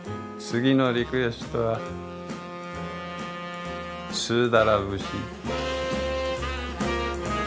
次のリクエストは「スーダラ節」。